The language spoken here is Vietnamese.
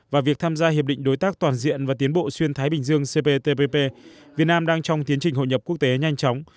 và việc tham gia hiệp định đối tác toàn diện và tiến bộ xuyên thái bình dương cptpp việt nam đang trong tiến trình hội nhập quốc tế nhanh chóng